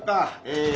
え。